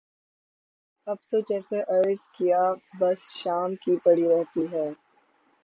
اب تو جیسے عرض کیا بس شام کی پڑی رہتی ہے